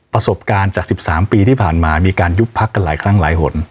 ประสบการณ์จาก๑๓ปีที่ผ่านมามีการยุบพักกันหลายครั้งหลายหน